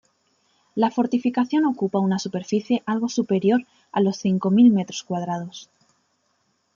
La fortificación ocupa una superficie algo superior a los cinco mil metros cuadrados.